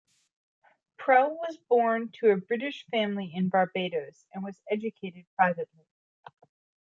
Prout was born to a British family in Barbados, and was educated privately.